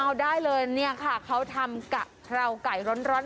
เอาได้เลยเนี่ยค่ะเขาทำกะเพราไก่ร้อน